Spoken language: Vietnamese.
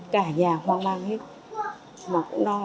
cả nhà hoang mang hết mặc nó